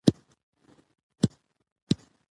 د بایپولار ناروغۍ لومړۍ درجه د پي پي پي خطر زیاتوي.